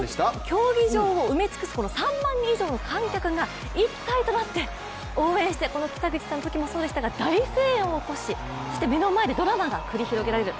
競技場を埋め尽くす３万人以上の観客が一体となって、応援して、この北口さんのときもそうでしたが大声援を起こし、そして目の前でドラマが繰り広げられる。